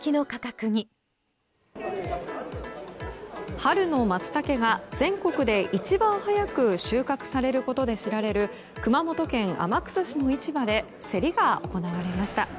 春のマツタケが全国で一番早く収穫されることで知られる熊本県天草市の市場で競りが行われました。